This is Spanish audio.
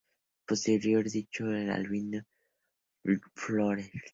Posteriormente fichó por el Albion Rovers.